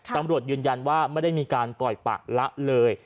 ตำรวจยืนยันว่าไม่ได้มีการปล่อยปะละเลย